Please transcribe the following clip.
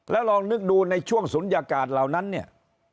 แล้วลองนึกดูในช่วงศูนยากาศเหล่านั้นเนี่ย